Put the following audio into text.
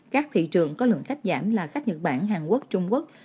các thị trường có lượng khách giảm là khách nhật bản hàn quốc trung quốc